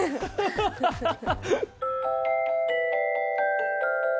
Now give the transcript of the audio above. ハハハハ！